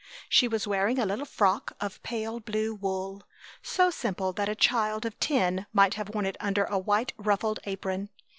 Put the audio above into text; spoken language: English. She was wearing a little frock of pale blue wool, so simple that a child of ten might have worn it under a white ruffled apron.